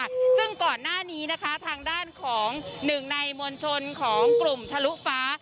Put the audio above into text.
ซึ่งก่อนหน้านี้นะคะทางด้านของหนึ่งในมวลชนของกลุ่มทะลุฟ้า